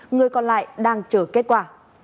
người còn lại đang chờ kết quả